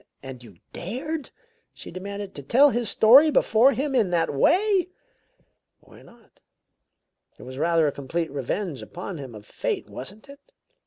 "And you dared," she demanded, "to tell his story before him in that way?" "Why not? It was rather a complete revenge upon him of fate, wasn't it?